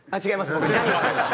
僕ジャニーズです。